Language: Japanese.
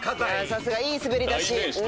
さすが。いい滑り出し。